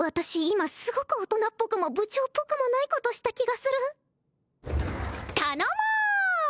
今すごく大人っぽくも部長っぽくもないことした気がするたのも！